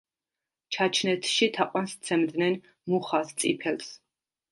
ჩაჩნეთში თაყვანს სცემდნენ მუხას, წიფელს.